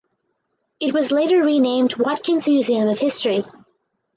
It was later renamed the Watkins Museum of History.